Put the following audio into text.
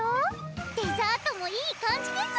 デザートもいい感じです！